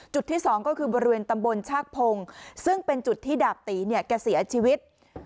จุดที่๒ก็คือบริเวณตำบลชาคพงซึ่งเป็นจุดที่ดาบตีแก่เสียชีวิต